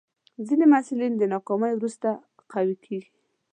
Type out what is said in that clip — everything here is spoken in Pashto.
ځینې محصلین د ناکامۍ وروسته قوي کېږي.